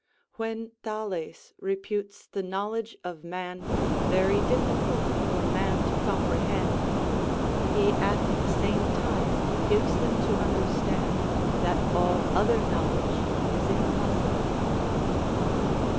When Thales reputes the knowledge of man very difficult for man to comprehend, he at the same time gives him to understand that all other knowledge is impossible.